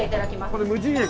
これ無人駅？